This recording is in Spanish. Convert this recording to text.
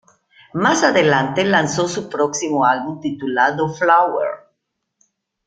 Más adelante lanzó su próximo álbum titulado "Flower".